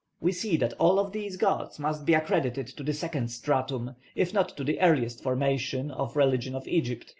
We see that all of these gods must be accredited to the second stratum, if not to the earliest formation, of religion in Egypt.